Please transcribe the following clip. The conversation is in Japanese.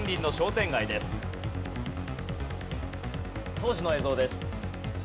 当時の映像です。